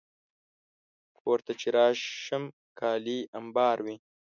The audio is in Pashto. کور ته چې راشم، کالي امبار وي.